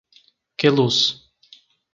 Queluz